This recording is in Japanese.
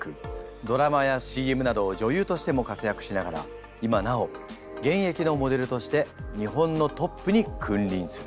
ドラマやＣＭなど女優としても活躍しながら今なお現役のモデルとして日本のトップに君臨する。